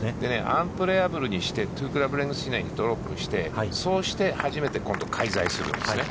アンプレヤブルにして２クラブレングス以内に、そうして、初めて今度介在するんですね。